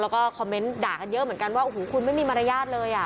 แล้วก็คอมเมนต์ด่ากันเยอะเหมือนกันว่าโอ้โหคุณไม่มีมารยาทเลยอ่ะ